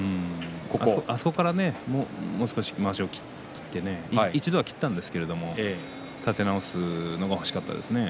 あそこから、もう少しまわしを切ってね一度は切ったんですけども立て直すのが欲しかったですね。